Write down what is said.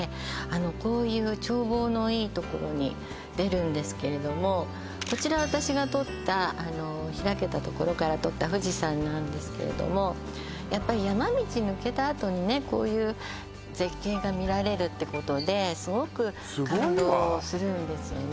こういう眺望のいいところに出るんですけれどもこちらは私が撮った開けたところから撮った富士山なんですけれどもやっぱり山道抜けたあとにねこういう絶景が見られるってことですごく感動するんですよね